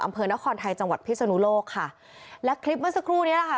อำเภอนครไทยจังหวัดพิศนุโลกค่ะและคลิปเมื่อสักครู่เนี้ยแหละค่ะ